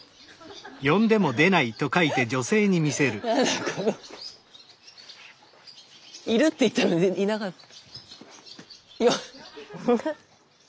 スタジオいるって言ったのにいなかった。